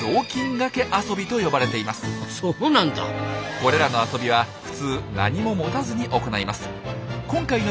これらの遊びは普通何も持たずに行います。